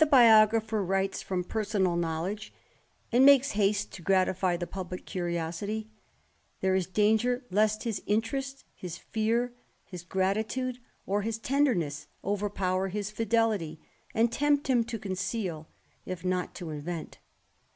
biographer writes from personal knowledge, and • Note Va., Appendix, 84 THE RAMBLER. makes haste to gratify the publick curiosity, there is danger lest his interest, his fear, his gratitude, or his tenderness^ overpower his fidelity, slnd tempt him to conceal, if not to invent.